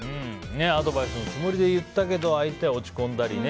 アドバイスのつもりで言ったけど相手は落ち込んだりね。